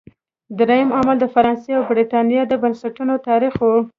درېیم عامل د فرانسې او برېټانیا د بنسټونو تاریخ و.